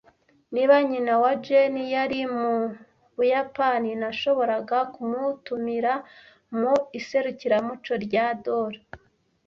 Niba nyina wa Jane yari mu Buyapani, nashoboraga kumutumira mu iserukiramuco rya Doll.